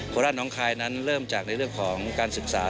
ราชน้องคายนั้นเริ่มจากในเรื่องของการศึกษา